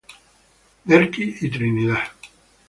Derqui y Trinidad.